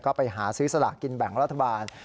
ก็ไปหาซื้อสลากกินแบ่งรัฐบาล